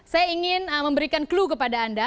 saya ingin memberikan clue kepada anda